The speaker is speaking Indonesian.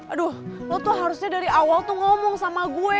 aduh lo tuh harusnya dari awal tuh ngomong sama gue